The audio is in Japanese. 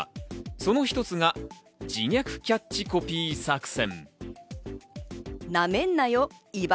その一つが自虐キャッチコピー作戦。